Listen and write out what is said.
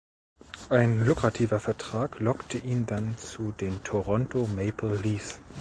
Ein lukrativer Vertrag lockte ihn dann zu den Toronto Maple Leafs.